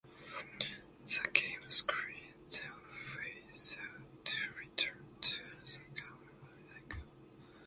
The game screen then fades out to return to another camera angle.